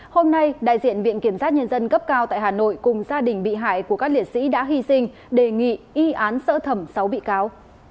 hôm nay đại diện viện kiểm sát nhân dân cấp cao tại hà nội cùng gia đình bị hại của các liệt sĩ đã hy sinh đề nghị y án sơ thẩm sáu bị cáo